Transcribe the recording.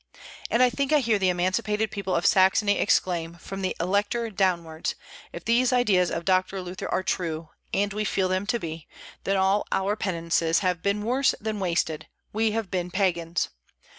And I think I hear the emancipated people of Saxony exclaim, from the Elector downwards, "If these ideas of Doctor Luther are true, and we feel them to be, then all our penances have been worse than wasted, we have been Pagans.